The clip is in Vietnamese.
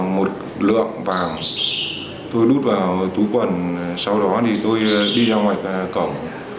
một lượng vàng tôi đút vào túi quần sau đó tôi đi ra ngoài cổng